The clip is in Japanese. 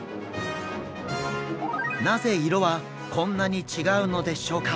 なぜ色はこんなに違うのでしょうか？